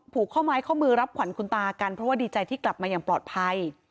ผูกข้อไม้ข้อมือรับขวัญคุณตากันเพราะว่าดีใจที่กลับมาอย่างปลอดภัย